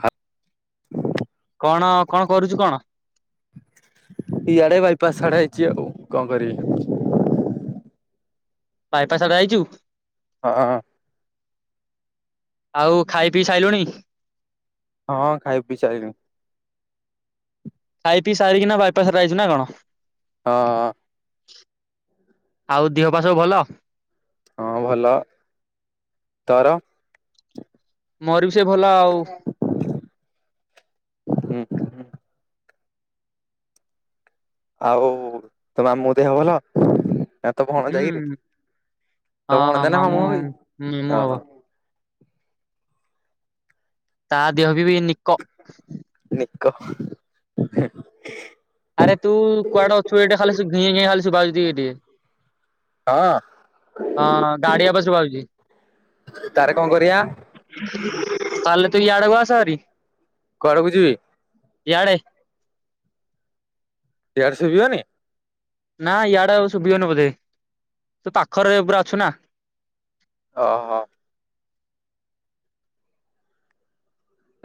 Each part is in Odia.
ହ [inaudible] କଣ, କଣ କରୁଛୁ କଣ? ଇଆଡେ ବାଇପାସ୍ ଆଡେ ଆଇଛି ଆଉ କଣ କରିବି। ବାଇପାସ ଆଡେ ଆଇଛୁ? ହଁଁ। ଆଉ ଖାଇ ପିଇ ସାଇଲୁଣି? ହଁ ଖାଇ ପି ସାରିଲିଣି। ଖାଇ ପି ସାରିକି ନା ବାଇପାସ ରେ ଆଇଛୁ ନା କଣ? ହଁ। ଆଉ ଦେହ ପା ସବୁ ଭଲ? ହଁ ଭଲ, ତୋର? ମୋର ବି ସେ ଭଲ ଆଉ। ହୁଁ, ହୁଁ। ଆଉ ତୋ ମାମୁଁ ଦେହ ଭଲ? ନା ତ ଭଣଜା ହୁଁ ଯାକିରେ, ତ ଭଣଜା ନା ମାମୁଁ ହବ ବେ, ମାମୁଁ ହବ। ଓହୋ। ତା ଦେହ ବି ବି ନିକ। ନିିକ। ହଁ [inaudible] ଆରେ ତୁ କୁଆଡେ ଅଛୁ ଏଠେ ଖାଲି ଘିଁ ଘିଁ ଖାଲି ବାଜୁ ଟିକେ ଟିକେ ହଁ, ଗାଡି ଆବାଜ ଶୁଭାଯାଉଛି [inaudible] ତାର କଣ କରିବା। ନହେଲେ ତୁ ଆଡେ ବା ଆସ ହେରି କୁଆଡ କୁ ଯିବି। ଇଆଡେ। ଇଆଡେ ସୁଭିବନି। ନା ଇଆଡେ ଆଉ ଶୁଭିବନି ବୋଧେ ତୁ ପାଖରେ ପୁରା ଅଛୁ ନା। ଓହୋ!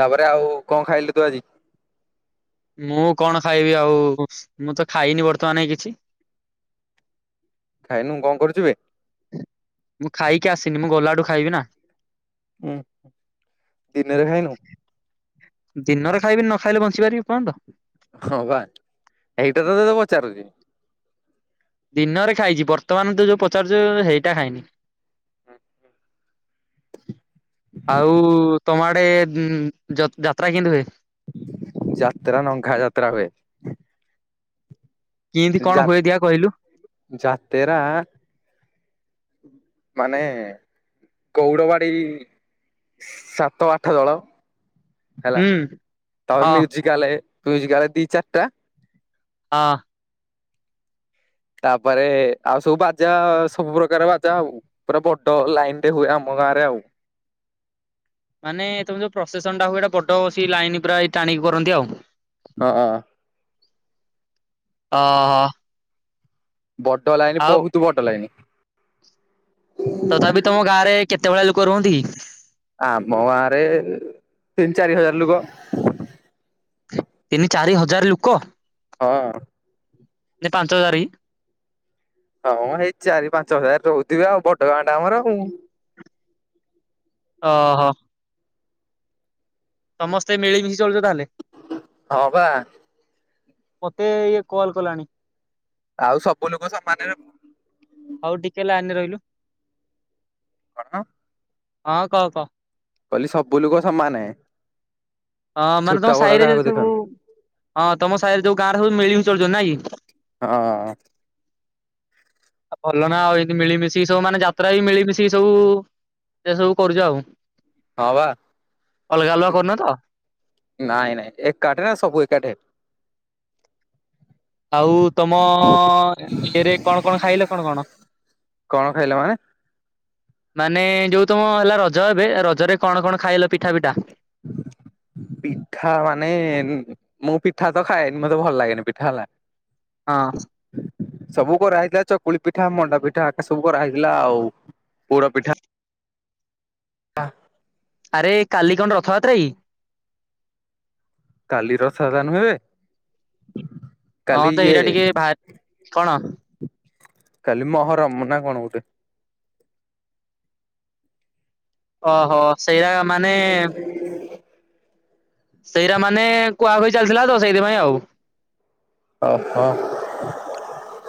ତାପରେ ଆଉ କଣ ଖାଇଲୁ? ତୁ ଆଜି ମୁଁ କଣ ଖାଇବି, ଆଉ ମୁଁ ତ ଖାଇନି ବର୍ତ୍ତମାନ ଏଇ କିଛି। ଖାଇନୁ କଣ କରୁଚୁ ବେ? ମୁଁ ଖାଇକି ଆସିନି। ମୁଁ ଗଲାବେଳୁ ଖାଇବି ନା। ହୁଁ, ଦିନରେ ଖାଇନୁ? ଦିନରେ ଖାଇବି ନ ଖାଇଲେ ବଞ୍ଚିପାରିବି ଏପର୍ଯ୍ୟନ୍ତ? ହଁ ବା ହେଇଟା ତ ତତେ ପଚାରୁଛି। ଦିନରେ ଖାଇଛି ବର୍ତ୍ତମାନ ତୁ ଯୋଉ ପଚାରୁଛୁ ହେଇଟା ଖାଇନି। ଆଉ ତମ ଆଡ଼େ ଯଯାତ୍ରା କେମତି ହୁଏ? ଯାତ୍ରା ନଙ୍ଗା ଯାତ୍ରା ହୁଏ। କେଏନ୍ତି ଯା କଣ ହୁଏ ଦେଖିଆ କହିଲୁ। ଯାତେରା ମାନେ ଗୌରବାଡି। ସାତ ଆଠ ଦଳ। ହେଲା ହୁଁ ତାପରେ ହଁ ମ୍ୟୁଜିକ୍କାଲେ ମ୍ୟୁଜିକ୍କାଲେ ଦି ଚାରିଟା। ହଁ? ତାପରେ ଆଉ ସବୁ ବାଜା ସବୁ ପ୍ରକାର ବାଜା ଆଉ। ପୁରା ବଡ ଲାଇନ ରେ ହୁଏ ଆମ ଗାଁ ରେ ଆଉ। ମାନେ ତମେ ଯୋଉ ପ୍ରସେସନ ଟା ହୁଏ ଏଇଟା ବଡ ସେ ଲାଇନ ପୁରା ଟାଣିକି କରନ୍ତି ଆଉ। ହ ଅ ହ ବଡ ଲାଇନ ବହୁତ ବଡ ଲାଇନ। ତଥାପି ତମ ଗାଁରେ କେତେ ଭଳିଆ ଲୋକ ରୁହନ୍ତି କି? ଆମ ଗାଁ ରେ ତିନି ଚାରି ହଜାର ଲୋକ। ତିନି ଚାରି ହଜାର ଲୋକ? ହଁ ପାଞ୍ଚ ହଜାର ହଁ ଏଇ ଚାରି ପାଞ୍ଚ ହଜାର ରହୁଥିବେ ଆଉ, ବଡ ଗାଁ ଟା ଆମର ଆଉ। ଓହୋ। ସମସ୍ତେ ମିଳିମିଶି ଚଳୁଛ ତାହେଲେ। ହଁ ବା। ମତେ ଇଏ କଲ୍ କଲାଣି ଆଉ ସବୁ ଲୋକ ସମାନେରେ ହଉ ଟିକେ ଲାଇନ ରେ ରହିଲୁ କଣ? ହଁ, କହ କହ। କହିଲି ସବୁ ଲୁକ ସମାନ। ହଁ, ମାନେ ତମ ସାହିରେ ଯ କାହାକୁ ଦେଖ ସବୁ, ହଁ ତମ ସାହିରେ ଯୋଉ ଗାଁ ରେ ସବୁ ମିଳିମିଶି ଚଳୁଚ ନାଇଁ କି? ହଁ। ଆଉ ଭଲ ନା ଆଉ ଏତି ମିଳିମିଶି ସବୁ ମାନେ ଯାତ୍ରା ବି ମିଳିମିଶି ସବୁ ସେ ସବୁ କରୁଛ ଆଉ। ହଁ ବା ଅଲଗା ଅଲଗା କରୁନ ତ ନାଇଁ ନାଇଁ ଏକାଠି ନା ସବୁ ଏକାଠି। ଆଉ ତମ ଇଏରେ କଣ କଣ ଖାଇଲ କଣ କଣ? କଣ ଖାଇଲ ମାନେ? ମାନେ ଯୋଉ ତମ ହେଲା ରଜ ଏବେ ରଜରେ କଣ କଣ ଖାଇଲ ପିଠା ପିଠା। [inaudible] ପିଠା ମାନେ ମୁଁ ପିଠା ତ ଖାଏନି ମତେ ଭଲ ଲାଗେନି ପିଠା ହେଲା। ହଁ। ସବୁ କରାହେଇଥିଲା ଚକୁଳି ପିଠା, ମଣ୍ଡାପିଠା ସବୁ କରାହେଇଥିଲା ଆଉ ପୋଡପିଠା [inaudible] [inaudible] ଆରେ କାଲି କଣ ରଥଯାତ୍ରା କି? କାଲି ରଥଯାତ୍ରା ନୁହେ ବେ। ହଁ କାଲି ତ ଇଏ ଏଇଟା ଟିକେ ବାହାରି କଣ କାଲି ମହରମ୍ ନା କନ ଗୋଟେ। ଓହୋ ସେଇଆ ମାନେ ସେଇରା ମାନେ କୁହାକୁହି ଚାଲିଥିଲା ତ ସେଇଥିପାଇଁ ଆଉ। ଓହୋ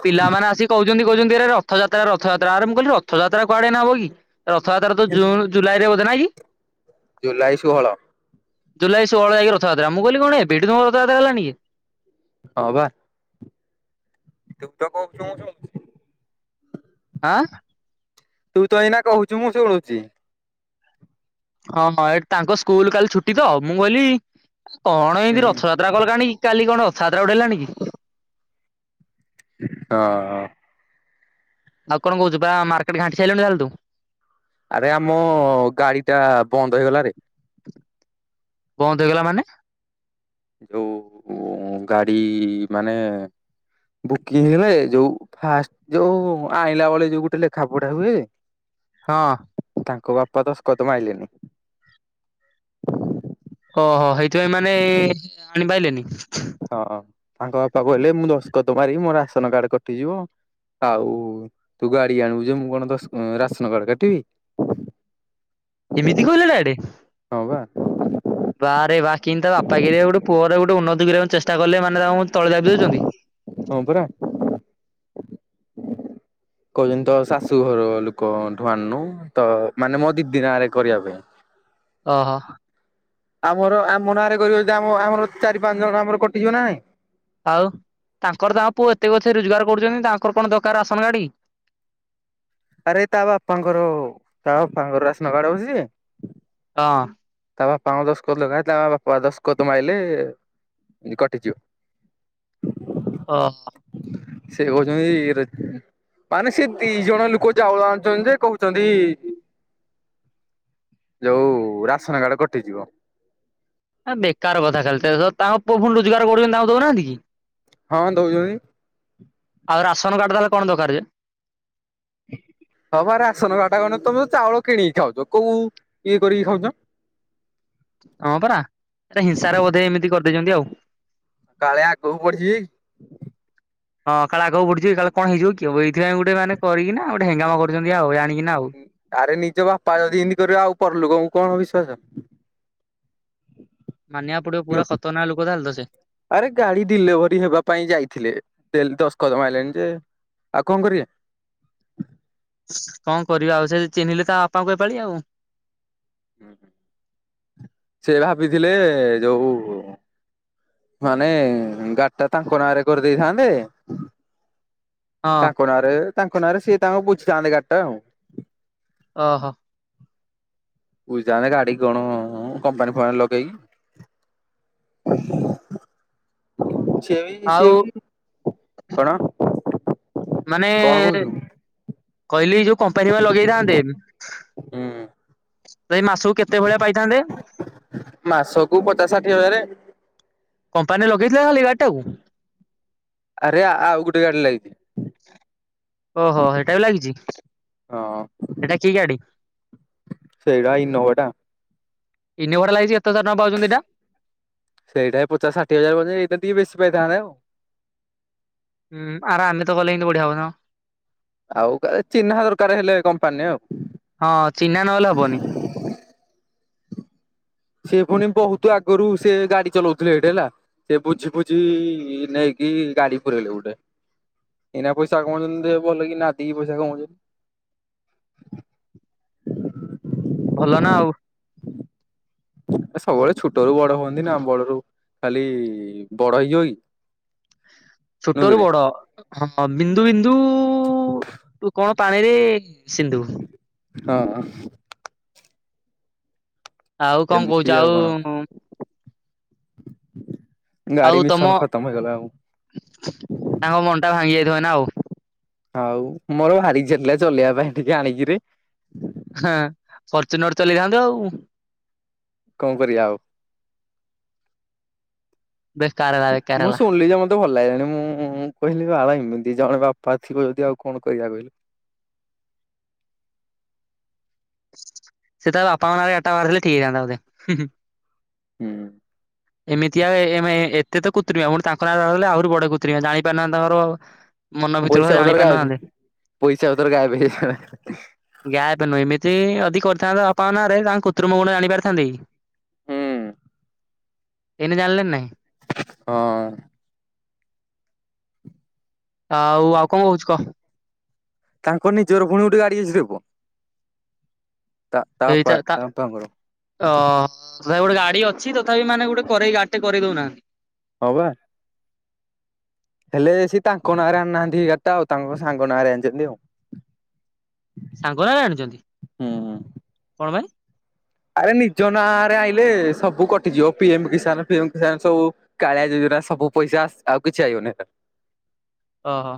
ପିଲାମାନେ ଆସିକି କହୁଛନ୍ତି କହୁଛନ୍ତି ଏରେ ରଥଯାତ୍ରା ରଥଯାତ୍ରା। ଆରେ ମୁଁ କହିଲି ରଥଯାତ୍ରା କୁଆଡେ ଏଇନା ହବକି। ରଥଯାତ୍ରା ତ ଜୁନ ଜୁଲାଇରେ ବୋଧେ ନାଇଁ କି? ଜୁଲାଇ ଷୋହଳ। ଜୁଲାଇ ଷୋହଳରେ ଯାଇକି ରଥଯାତ୍ରା। ମୁଁ କହିଲି କଣ ଏବେଠୁ ତମର ରଥଯାତ୍ରା ହେଲାଣି କି? ହଁ ବା। ତୁ ତ କହୁଥିଲୁ ମୁଁ ଶୁଣୁ ଆଁ ତୁ ତ ଏଇନା କହୁଛୁ ମୁଁ ଶୁଣୁଛି। ହଁ ହଁ ଏଠି ତାଙ୍କ ସ୍କୁଲ କାଲି ଛୁଟି ତ। ମୁଁ କହିଲି କଣ ହୁଁ ଏମତି ରଥଯାତ ତ୍ର କଲାଣି କି କାଲି କଣ ଉଠେଇଲାଣି କି? ହଁ। ଆଉ କଣ କହୁଛ ବା ମାର୍କେଟ ଘାଣ୍ଟି ସାଇଲୁଣି ତାହେଲେ ତୁ। ଆରେ ଆମ ଗାଡିଟା ବନ୍ଦ ହେଇଗଲା ରେ ବନ୍ଦ ହେଇଗଲା ମାନେ? ଯଉ ଗାଡି ମାନେ ବୁକି ହେଲେ ଯୋଉ ଫାଷ୍ଟ ଯୋଉ ଆଣିଲା ବେଳେ ଯୋଉ ଗୋଟେ ଲେଖା ପଢା ହୁଏ। ହଁ ତାଙ୍କ ବାପା ଦଶଖତ ମାଇଲେନି। ଓହୋ ହେଇଥିପାଇଁ ମାନେ ଆଣିପାଇଲେନି। ହଁ ତାଙ୍କ ବାପା କହିଲେ ମୁଁ ଦସ୍ତଖତ ମାରିବି ମୋ ରାସନ କାର୍ଡ କଟିଯିବ। ଆଉ ତୁ ଗାଡି ଆଣିବୁ ଯେ ମୁଁ କଣ ରାସନ କାର୍ଡ କାଟିବି। [inaudible] ଏମିତି କହିଲ ଡାଇରେକ୍ଟ? ହଁ ବା। ବାରେ ବା କିିନ୍ତି ତା ବାପା କିରେ ଗୋଟେ ପୁଅର ଗୋଟେ ଉନ୍ନତି କରିବାକୁ ଚେଷ୍ଟା କଲେ ମାନେ ତାଙ୍କୁ ତଳେ ଦାବି ଦଉଛନ୍ତି। ହଁ ପରା କହୁଛନ୍ତି ତ ଶାଶୁଘର ଲୋକଙ୍କଠୁ ଆଣନୁ। ତ ମାନେ ମୋ ଦିଦି ନାରେ କରିବା ପାଇଁ। ଓହୋ ଆମର ଆମ ନାଁରେ କରିବ ଆମ ଆମର ଚାରି ପାଞ୍ଚ ଜଣ ଆମର କଟିଯିବ ନା ନାହିଁ। ଆଉ ତାଙ୍କର ତାଙ୍କ ପୁଅ ଏତେ କଛି ରୋଜଗାର କରୁଛନ୍ତି। ତାଙ୍କର କଣ ଦରକାର ରାସନ କାର୍ଡ କି। ଆରେ ତା ବାପାଙ୍କର ତା ବାପାଙ୍କର ରାସନ କାର୍ଡ ଅଛି ଯେ ହଁ ତା ବାପାଙ୍କ ଦଶକତ ଲଗାଏ ତା ବାପା ଦଶକତ ମାରିଲେ କଟିଯିବ। ଓହୋ ସେ କହୁଚନ୍ତି ରେ ମାନେ ସେ ଦି ଜଣ ଲୋକ ଚାଉଳ ଆଣୁଛନ୍ତି ଯେ କହୁଛନ୍ତି ଯୋଉ ରାସନ କାର୍ଡ କଟିଯିବ। ଆ ବେକାର କଥା ଖାଲି ତାଙ୍କ ପୁଣି ରୋଜଗାର କରୁଚନ୍ତି ତାଙ୍କୁ ଦଉନାହାନ୍ତି କି? ହଁ ଦଉଛନ୍ତି। ଆଉ ରାସନ କାର୍ଡ ତାହାଲେ କଣ ଦରକାର ଯେ? ହଁ ବା ରାସନ୍ କାର୍ଡଟା କଣ ତମେ ତ ଚାଉଳ କିଣିକି ଖାଉଛ କୋଉଁ ଇଏ କରିକି ଖାଉଛ। ହଁ ପରା ହେଟା ହିଂସାରେ ବୋଧେ ଏମିତି କରିଦେଇଛନ୍ତି ଆଉ। କାଳେ ଆଗକୁ ବଢ଼ି ଯିବେକି। ହଁ କାଳେ ଆଗକୁ ବଢିଯିବେ କାଳେ କଣ ହେଇଯିବେ କି ହେଇଥି ପାଇଁ ଗୋଟେ ମାନେ କରିକିନା ଗୋଟେ ହେଙ୍ଗାମା କରୁଛନ୍ତି ଆଉ ଯାଣିକିନା ଆଉ। ଆରେ ନିଜ ବାପା ଯଦି ଇନ୍ତି କରିବ ଆଉ ପରଲୁକ କୁ କଣ ବିଶ୍ଵାସ। ମାନିବାକୁ ପଡିବ ପୁରା ଖତରନାକ୍ ଲୋକ ତାହେଲେ ତ ସେ। ଆରେ ଗାଡି ଡିଲେଭରି ହେବା ପାଇଁ ଯାଇଥିଲେ ଦଶଖତ ମାଇଲେନି ଯେ ଆଉ କଣ କରିବା? କଣ କରିବା ଆଉ ସେ ଚିହ୍ନିଲେ ତା ବାପାଙ୍କୁ ଏପାଳି ଆଉ। ହୁଁ ସେ ଭାବିଥିଲେ ଯୋଉଁ ମାନେ ଗାଡି ଟା ତାଙ୍କ ନାଁରେ କରିଦେଇଥାନ୍ତେ ହଁ ତାଙ୍କ ନାଁରେ ତାଙ୍କ ନାଁରେ ସିଏ ତାଙ୍କୁ ବୁଝିଥାନ୍ତେ ଗାଡ଼ିଟା ଆଉ। ଓହୋ। ବୁଝିଥାନ୍ତେ ଗାଡି କଣ କମ୍ପାନୀ ଫମ୍ପାନୀ ଲଗେଇକି ସିଏବି ଆଉ ସିଏବି, କଣ? ମାନେ କଣ କହୁଛୁ କହିଲି ଯୋଉଁ କମ୍ପାନୀ ପାଇଁ ଲଗେଇଥାନ୍ତେ ହୁଁ ତ ଏଇ ମାସକୁ କେତେ ଭଳିଆ ପାଇଥାନ୍ତେ? ମାସ କୁ ପଚାଶ ଷାଠିଏ ହଜାରେ। କମ୍ପାନୀ ରେ ଲଗେଇଥିଲେ ଖାଲି ଗାଡିଟାକୁ? ଆରେ ଆଉ ଗୋଟେ ଗାଡ଼ି ଲାଗିଚି। ଓହୋ ହେଇଟା ବି ଲାଗିଛି ହଁ ହେଟା କି ଗାଡ଼ି? ସେଇଟା ଇନୋଭା ଟା। ଇନୋଭା ଟା ଲାଗିଚି କେତେ ହଜାର ଟଙ୍କା ପାଉଛନ୍ତି ଏଟା? ସେଇଟା ହେ ପଚାଶ ଷାଠିଏ ହଜାର ବୋଧେ ଏଇଟା ଟିକେ ବେଶୀ ପାଇଥାନ୍ତେ ଆଉ। ହୁଁ ଆରେ ଆମେ ତ କଲେ ଏମିତି ବଢିଆ ହବନା। ଆଉ କା ଚିହ୍ନା ଦରକାର ହେଲେ କମ୍ପାନୀ ଆଉ। ହଁ ଚିହ୍ନା ନହେଲେ ହବନି। ସେ ଫୁଣି ବହୁତ ଆଗରୁ ସେ ଗାଡି ଚଲଉଥିଲେ ହେଠେ ହେଲା। ସେ ବୁଝି ବୁଝି ନେଇକି ଗାଡି ପୁରେଇଲେ ଗୁଟେ। ଏଇନା ପଇସା କମଉଛନ୍ତି ଭଲ କି ନାଦିକି ପଇସା କମଉଛନ୍ତି। ଭଲନା ଆଉ। ଏ ସବୁବେଳେ ଛୁଟରୁ ବଡ ହୁଅନ୍ତି ନା ବଡ଼ରୁ ଖାଲି ବଡ଼ ହେଇଯିବ କି? ଛୋଟ ରୁ ନୁହୁଁକିରେ ବଡ ହଁ ବିନ୍ଦୁ ବିନ୍ଦୁ ଟୁ କଣ ପାଣିରେ ସିନ୍ଧୁ। ହଁ। ଆଉ କଣ ଏମିତି କହୁଛ ଆଉ କଣ ଆଉ ଗାଡି ତମ ମିଶନ ଖତମ ହେଇଗଲା ଆଉ ତାଙ୍କ ମନଟା ଭାଙ୍ଗି ଯାଇଥିବ ଏଇନା ଆଉ। ଆଉ ମୋର ଭାରି ଇଛା ଥିଲା ଚଲେଇବା ପାଇଁ ଟିକେ ଆଣିକିରି। ହେଁ ଫର୍ଚୁନର ଚଲେଇଥାନ୍ତୁ ଆଉ। କଣ କରିବା ଆଉ। ବେକାର ହେଲା ବେକାର ମୁଁ ହେଲା ଶୁଣିଲି ଯେ ମ ତେ ଭଲ ଲାଗିଲାନି ମୁଁ କହିଲି ବାବା ଏମିତି ଜଣେ ବାପା ଥିବ ଯଦି ଆଉ କଣ କରିବା କହିଲୁ। ସେ ତା ବାପାଙ୍କ ନାଁ ରେ ଗାଡିଟା କରିଥିଲେ ଠିକ ହେଇଥାନ୍ତା ବୋଧେ। ହୁଁ। ଏମିତିଆ ଏ ଏତେ ତ କୃତ୍ରିମିଆଁ ପୁଣି ତାଙ୍କ ନାଁରେ ରହିଲେ ଆହୁରି ବଡ କୁତ୍ରିମିଆଁ ଜାଣିପାରୁନାହାନ୍ତି ତାଙ୍କର ମନ ଭିତର ପଇସା କଥା ଜାଣି ପତର ଗାଏବେ ପାରୁନଥାନ୍ତେ ପଇସା ପତର ଗାଏବେ ହେଇ ଗାଏବ ନୁହେଁ ଏମିତି ଜଦି କରିଥାନ୍ତା ତା ବାପାଙ୍କ ନାଁରେ ତାଙ୍କ କୁତ୍ରିମ ଗୁଣ ଜାଣିପାରିଥାନ୍ତେ କି? ହୁଁ। ଏଇନେ ଜାଣିଲେ ନା ନାହିଁ। ହଁ। ଆଉ ଆଉ କଣ କହୁଛିୁ କହ? ତାଙ୍କ ନିଜର ଫୁଣି ଗୁଟେ ଗାଡି ଅଛିରେ ପୁଅ ତାବାପା ତା ବାପାଙ୍କର। ଓହ ତଥାପି ଗୋଟେ ଗାଡି ଅଛି ତଥାପି ମାନେ ଗୁଟେ କରେଇ ଗାଡିଟେ କରେଇଦଉନାହାଁନ୍ତି। ହଁପା। ହେଲେ ସେ ତାଙ୍କ ନାଁରେ ଆଣିନାହାନ୍ତି ଗାଡିଟା ଆଉ ତାଙ୍କ ସାଙ୍ଗ ନାଁରେ ଆଣିଛନ୍ତି ଆଉ। ସାଙ୍ଗନାଁରେ ଆଣିଛନ୍ତି ହୁଁ। କଣ ପାଇଁ? ଆରେ ନିଜ ନାଁ ରେ ଆଇଁଲେ ସବୁ କଟିଯିବ ପିଏମ କିଷାନ ଫିଏମ କିଷାନ ସବୁ। କାଳିଆ ଜୁଜୁନା ସବୁ ପଇସା ଆଉ କିଛି ଆଇିବନି ହେରା। ଓହୋ।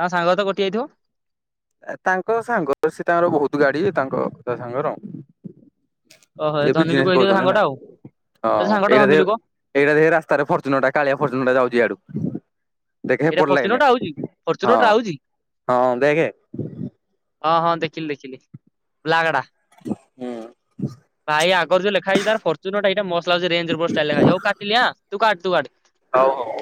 ତାଙ୍କ ସାଙ୍ଗର ତ କଟିଯାଇଥିବ? ତାଙ୍କ ସାଙ୍ଗର ସେ ତାଙ୍କର ବହୁତ ଗାଡି ତାଙ୍କ ତା ସାଙ୍ଗର ଓହୋ ସେ ଧନୀ ଲୋକ ବିଜିନେସ ହେଇଥିବ କରୁଛନ୍ତି ହେଲା ସାଙ୍ଗଟା ଆଉ ଏ ହଁ ସାଙ୍ଗଟା ଏଇଟା ଧନୀ ସେ ଲୋକ ଏଇଟା ଦେଖେ ରାସ୍ତାରେ ଫର୍ଚୁନରଟା କାଳିଆ ଫର୍ଚୁନରଟ ଯାଉଛି ଇଆଡୁ। ଦେଖ ଏଇଟା ହେପଟ ଫର୍ଚୁନର ଟା ଲାଇନରେ ଆଉଛି ଫର୍ଚୁନର ହଁ ଟା ଆଉଛି ହଁ ଦେଖେ ହଁ ହଁ ଦେଖିଲି ଦେଖିଲି ବ୍ଲାଗଡା ହୁଁ ଭାଇ ଆ ଆଗରେ ଜଉ ଲେଖାହେଇଚି ତାର ଫରଚ୍ୟୁନର ଟା ଏଇଟା ମସ୍ତ ଲାଗୁଚି ରେଞ୍ଜ ରୋଭର ଲେଖାହେଇଛି ଷ୍ଟାଇଲରେ ହଉ କାଟିଲି ଆଁ ତୁ କାଟେ ତୁ କାଟେ। ହଉ ହଉ।